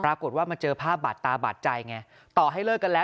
ปรากฏว่ามาเจอภาพบาดตาบาดใจไงต่อให้เลิกกันแล้ว